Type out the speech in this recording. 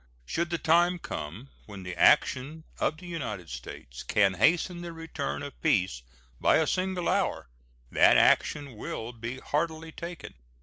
Should the time come when the action of the United States can hasten the return of peace by a single hour, that action will be heartily taken.